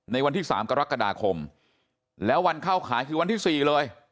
วันที่๓กรกฎาคมแล้ววันเข้าขายคือวันที่๔เลย